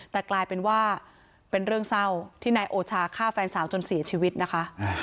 แต่กลายเป็นว่าเป็นเรื่องเศร้าที่นายโอชาฆ่าแฟนสาวจนเสียชีวิตนะคะ